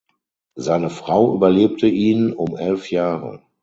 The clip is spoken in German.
Seine Frau überlebte ihn um elf Jahre.